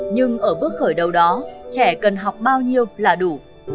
nhưng ở bước khởi đầu đó trẻ cần học bao nhiêu là đủ